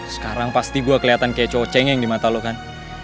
sekarang pasti gue kelihatan kayak cowok cengeng di mata lo kan